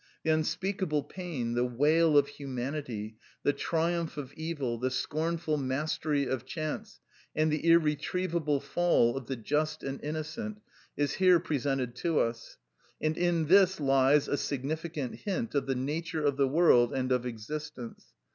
The unspeakable pain, the wail of humanity, the triumph of evil, the scornful mastery of chance, and the irretrievable fall of the just and innocent, is here presented to us; and in this lies a significant hint of the nature of the world and of existence.